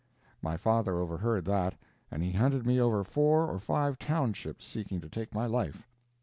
My father overheard that, and he hunted me over four or five townships seeking to take my life.